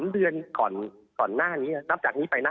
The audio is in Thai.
๓เดือนก่อนหน้านี้นับจากนี้ไปนะ